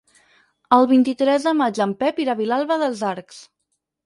El vint-i-tres de maig en Pep irà a Vilalba dels Arcs.